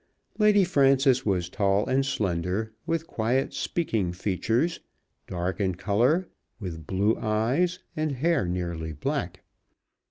Lady Frances was tall and slender, with quiet speaking features, dark in colour, with blue eyes, and hair nearly black.